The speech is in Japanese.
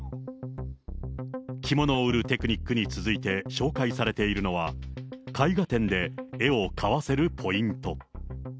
着物を売るテクニックに続いて紹介されているのは、絵画展で絵を買わせるポイント。